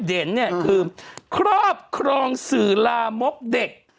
เนี่ยคือครอบครองสื่อลามกเด็ก